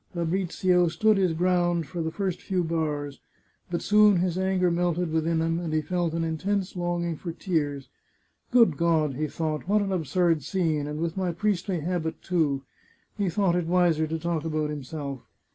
Fa brizio stood his ground for the first few bars. But soon his anger melted within him, and he felt an intense longing for tears. " Good God," he thought, " what an absurd scene ! and with my priestly habit, too !" He thought it wiser to talk about himself.